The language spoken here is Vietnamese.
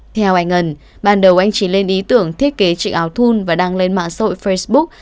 theo anh ân ban đầu anh chỉ lên ý tưởng thiết kế trị áo thun và đăng lên mạng sội facebook